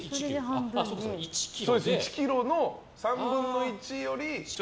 １ｋｇの３分の１より。